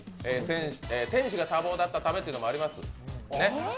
店主が多忙だったためというのもあります。